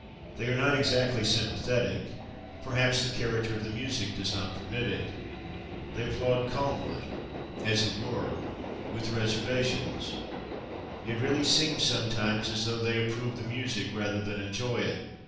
They are not exactly sympathetic; perhaps the character of the music does not permit it. They applaud calmly as it were, with reservations. It really seems sometimes as though they approve the music rather than enjoy it.